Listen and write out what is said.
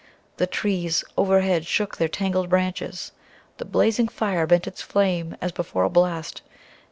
The trees overhead shook their tangled branches. The blazing fire bent its flames as before a blast.